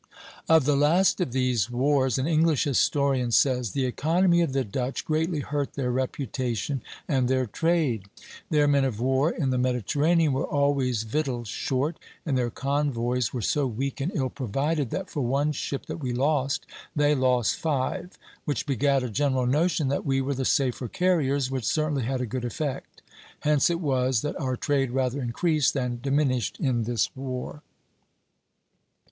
Of the last of these wars an English historian says: "The economy of the Dutch greatly hurt their reputation and their trade. Their men of war in the Mediterranean were always victualled short, and their convoys were so weak and ill provided that for one ship that we lost, they lost five, which begat a general notion that we were the safer carriers, which certainly had a good effect. Hence it was that our trade rather increased than diminished in this war."